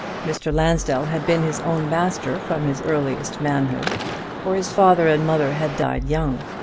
Mr. Lansdell had been his own master from his earliest manhood, for his father and mother had died young.